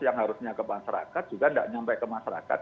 yang harusnya ke masyarakat juga tidak nyampe ke masyarakat